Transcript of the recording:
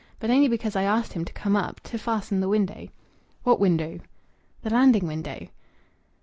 "But only because I asked him to come up to fasten the window." "What window?" "The landing window."